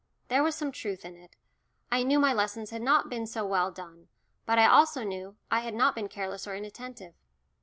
There was some truth in it. I knew my lessons had not been so well done, but I also knew I had not been careless or inattentive.